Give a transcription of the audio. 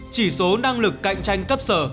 chỉ số năng lực cạnh tranh cấp sở